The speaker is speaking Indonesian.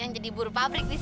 tau gak sadis